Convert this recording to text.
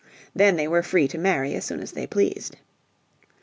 Then they were free to marry as soon as they pleased.